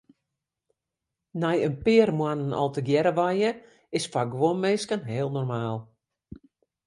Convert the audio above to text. Nei in pear moannen al tegearre wenje is foar guon minsken heel normaal.